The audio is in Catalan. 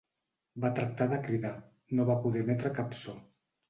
Va tractar de cridar; no va poder emetre cap so.